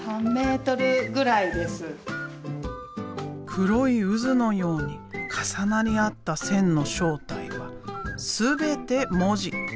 黒い渦のように重なり合った線の正体は全て文字。